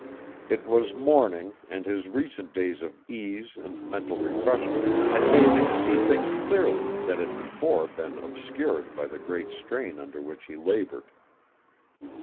It was morning, and his recent days of ease and mental refreshment had made him see things clearly that had before been obscured by the great strain under which he labored.